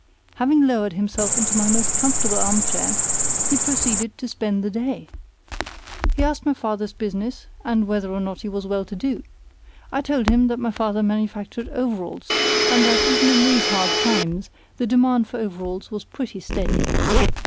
Having lowered himself into my most comfortable armchair, he proceeded to spend the day. He asked my father's business, and whether or not he was well to do. I told him that my father manufactured overalls, and that, even in these hard times, the demand for overalls was pretty steady.